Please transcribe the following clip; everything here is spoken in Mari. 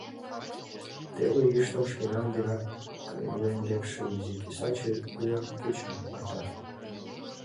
Теле йӱштым шкенан денак илен лекше изи киса чевер кечым мокта.